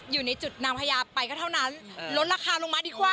อยู่ในจุดนางพญาไปก็เท่านั้นลดราคาลงมาดีกว่า